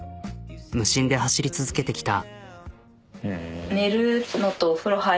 無心で走り続けてきた。